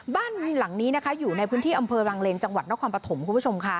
บ้านหลังนี้นะคะอยู่ในพื้นที่อำเภอรังเลนจังหวัดนครปฐมคุณผู้ชมค่ะ